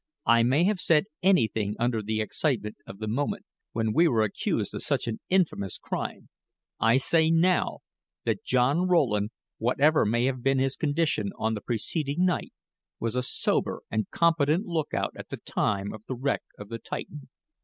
"I may have said anything under the excitement of the moment when we were accused of such an infamous crime. I say now, that John Rowland, whatever may have been his condition on the preceding night, was a sober and competent lookout at the time of the wreck of the Titan."